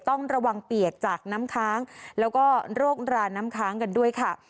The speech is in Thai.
ต้องระวังเปียกจากน้ำค้างแล้วก็โรคราน้ำค้างกันด้วยค่ะ